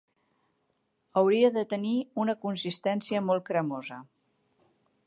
Hauria de tenir una consistència molt cremosa.